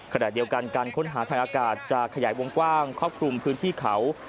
ขณะเดียวกันการค้นหาทางอากาศจะขยายวงกว้างครอบคลุมพื้นที่เขา